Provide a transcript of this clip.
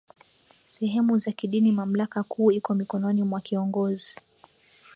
sehemu za kidiniMamlaka kuu iko mikononi mwa Kiongoz